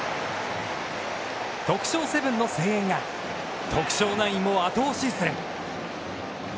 徳商セブンの声援が徳商ナインを後押しする。